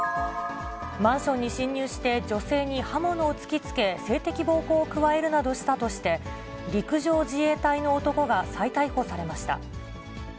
マンションに侵入して、女性に刃物を突きつけ、性的暴行を加えるなどしたとして、陸上自衛隊の男が再逮捕されました。